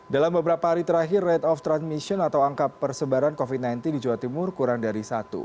dalam beberapa hari terakhir rate of transmission atau angka persebaran covid sembilan belas di jawa timur kurang dari satu